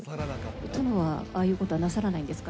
殿は、ああいうことはなさらないんですか？